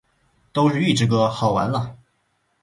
都是预制歌，好完了